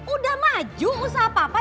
udah maju usaha papa